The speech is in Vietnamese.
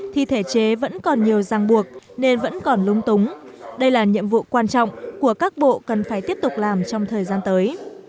thì thể chế vẫn còn nhiều ràng buộc nên vẫn còn lúng túng đây là nhiệm vụ quan trọng của các bộ cần phải tiếp tục làm trong thời gian tới